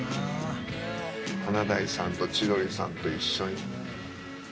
華大さんと千鳥さんと一緒に。